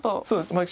そうです